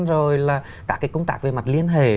rồi là cả công tác về mặt liên hệ